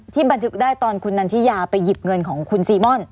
บันทึกได้ตอนคุณนันทิยาไปหยิบเงินของคุณซีม่อน